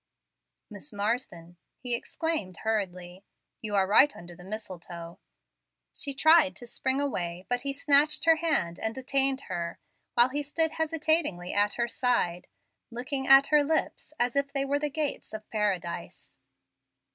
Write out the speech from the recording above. "Miss Marsden!" he exclaimed, hurriedly, "you are right under the mistletoe." She tried to spring away, but he snatched her hand and detained her, while he stood hesitatingly at her side, looking at her lips as if they were the gates of Paradise.